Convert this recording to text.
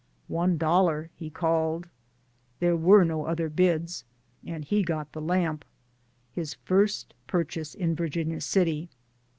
"One dollar" he called. There were no other bids and he got the lamp — his first purchase in Virginia City.